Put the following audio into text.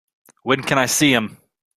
When can I see him?